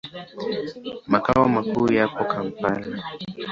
Makao makuu yapo Kampala.